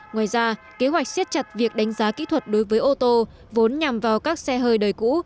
ngoài ra kế hoạch siết chặt việc đánh giá kỹ thuật đối với ô tô vốn nhằm vào các xe hơi đời cũ